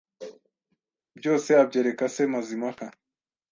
Byose abyereka se Mazimpaka.